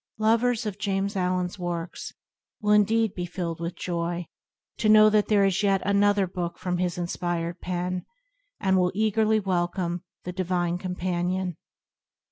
Lovers of James Allen's works will indeed be filled with joy to know that there is yet another book from his inspired pen, and will eagerly welcome The Divine Companion.